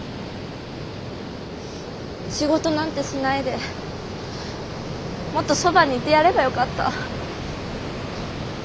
仕事なんてしないでもっとそばにいてやればよかった。